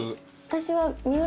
私は。